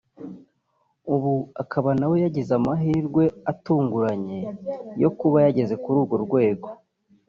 ubu akaba nawe yagize amahirwe atunguranye yo kuba yageze kuri urwo rwego